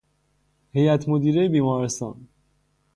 هیئت مدیرهی بیمارستان